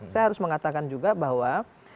saya harus mengatakan juga bahwa